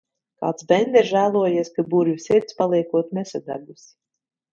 Kāds bende ir žēlojies, ka burvja sirds paliekot nesadegusi.